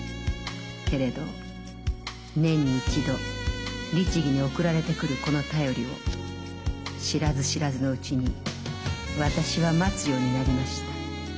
けれど年に一度律儀に送られてくるこの便りを知らず知らずのうちに私は待つようになりました。